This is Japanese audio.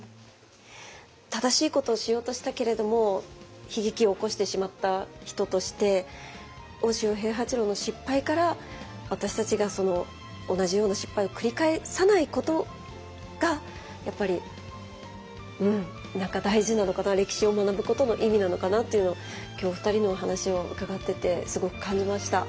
正しいことをしようとしたけれども悲劇を起こしてしまった人として大塩平八郎の失敗から私たちがその同じような失敗を繰り返さないことがやっぱり何か大事なのかな歴史を学ぶことの意味なのかなっていうのを今日お二人のお話を伺っててすごく感じました。